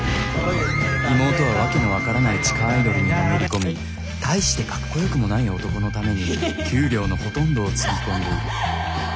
妹は訳の分からない地下アイドルにのめり込み大してかっこよくもない男のために給料のほとんどをつぎ込んでいる。